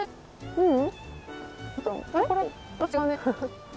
うん。